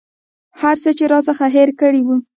هر څه یې راڅخه هېر کړي وه.